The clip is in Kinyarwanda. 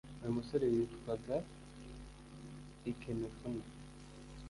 uyu musore yitwaga ikemefuna